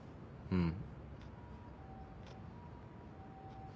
うん。